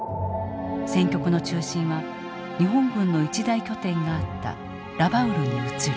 戦局の中心は日本軍の一大拠点があったラバウルに移る。